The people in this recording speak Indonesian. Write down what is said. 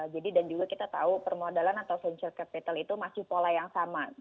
dan juga kita tahu permodalan atau venture capital itu masih pola yang sama